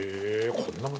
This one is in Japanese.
こんなの。